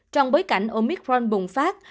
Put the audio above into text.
trong bối cảnh omicron bùng phát